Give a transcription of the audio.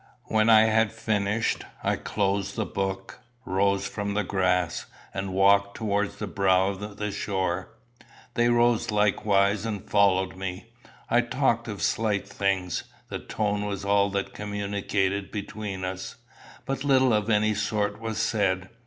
When I had finished, I closed the book, rose from the grass, and walked towards the brow of the shore. They rose likewise and followed me. I talked of slight things; the tone was all that communicated between us. But little of any sort was said.